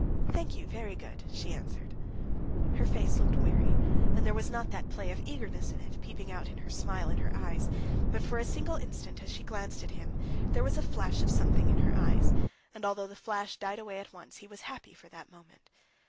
"Thank you, very good," she answered. Her face looked weary, and there was not that play of eagerness in it, peeping out in her smile and her eyes; but for a single instant, as she glanced at him, there was a flash of something in her eyes, and although the flash died away at once, he was happy for that moment.